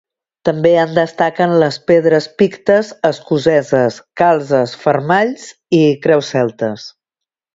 També en destaquen les pedres pictes escoceses, calzes, fermalls i creus celtes.